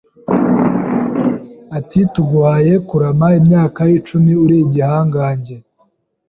ati tuguhaye kurama imyaka icumi uri igihangange,